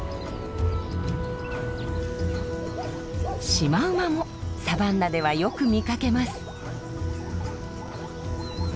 シマウマもサバンナではよく見かけます。